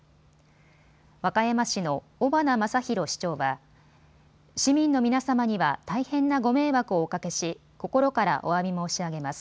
和歌山市の尾花正啓市長は市民の皆様には大変なご迷惑をおかけし心からおわび申し上げます。